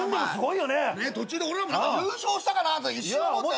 途中で俺らも優勝したかなって一瞬思ったよな？